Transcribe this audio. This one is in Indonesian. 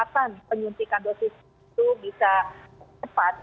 kapan penyuntikan dosis itu bisa cepat